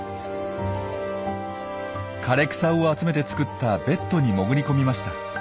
枯れ草を集めて作ったベッドに潜り込みました。